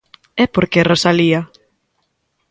E por que Rosalía?